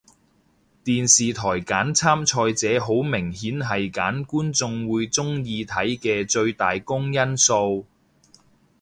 電視台揀參賽者好明顯係揀觀眾會鍾意睇嘅最大公因數